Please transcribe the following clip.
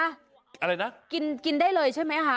อะไรนะกินได้เลยใช่ไหมคะ